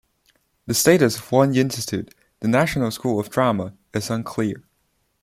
The status of one institute, the National School of Drama, is unclear.